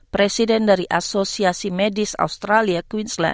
presiden dari asosiasi medis australia queensland